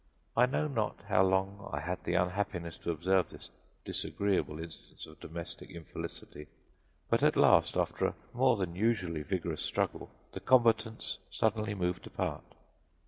I know not how long I had the unhappiness to observe this disagreeable instance of domestic infelicity, but at last, after a more than usually vigorous struggle, the combatants suddenly moved apart.